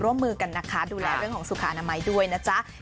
ร่วมมือกันนะคะดูแลเรื่องของสุขอนามัยด้วยนะจ๊ะ